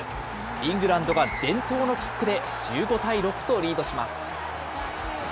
イングランドが伝統のキックで１５対６とリードします。